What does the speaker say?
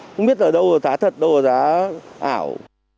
không biết là đâu là giá thật đâu là giá ảo